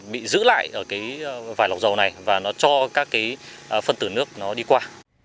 bị giữ lại ở vài lọc dầu này và nó cho các phân tử nước đi qua